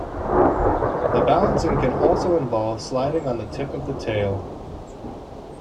The balancing can also involve sliding on the tip of the tail.